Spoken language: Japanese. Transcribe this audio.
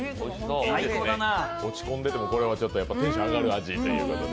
落ち込んでても、これはテンション上がる味と。